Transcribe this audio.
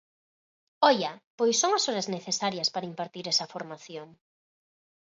¡Oia!, pois son as horas necesarias para impartir esa formación.